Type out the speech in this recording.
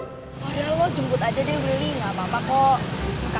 oh ya allah jemput aja deh willy gak apa apa kok